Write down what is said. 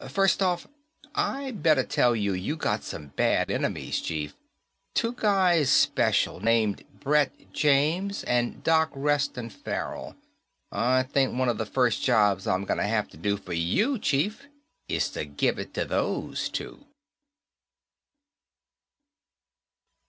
First off, I better tell you you got some bad enemies, Chief. Two guys special, named Brett James and Doc Reston Farrell. I think one of the first jobs I'm gunna hafta do for you, Chief, is to give it to those two."